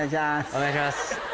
お願いします！